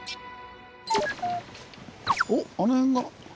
おっあの辺が。